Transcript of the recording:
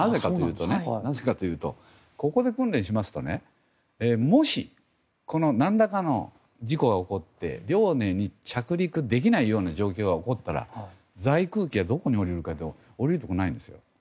なぜかというとここで訓練しますともし、何らかの事故が起こって「遼寧」に着陸できない状況が起こったら在空機はどこに降りるかといいますと降りるところないんですよ。